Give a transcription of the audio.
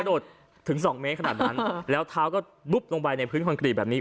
โดดถึงสองเมตรขนาดนั้นแล้วเท้าก็บุ๊บลงไปในพื้นคอนกรีตแบบนี้